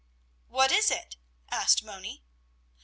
"What is it?" asked Moni.